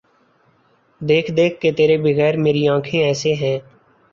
دیکھ دیکھ کہ تیرے بغیر میری آنکھیں ایسے ہیں۔